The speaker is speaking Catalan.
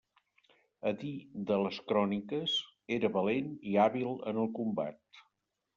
A dir de les cròniques, era valent i hàbil en el combat.